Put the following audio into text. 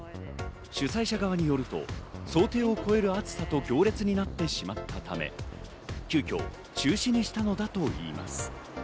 主催者側によると、想定を超える暑さと行列になってしまったため、急きょ中止にしたのだといいます。